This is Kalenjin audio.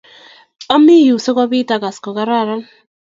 ami yu si ko bit I kass ko kararan